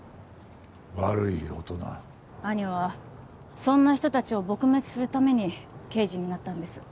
兄はそんな人たちを撲滅するために刑事になったんです。